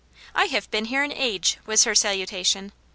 "I have been here an age," was her salutation.